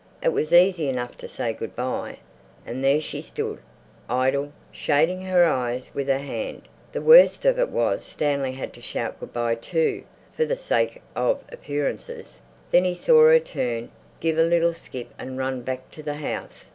It was easy enough to say good bye! And there she stood, idle, shading her eyes with her hand. The worst of it was Stanley had to shout good bye too, for the sake of appearances. Then he saw her turn, give a little skip and run back to the house.